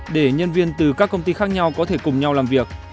để nhân viên từ các công ty khác nhau có thể cùng nhau làm việc